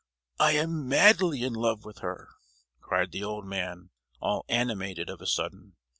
"I am madly in love with her!" cried the old man, all animated, of a sudden.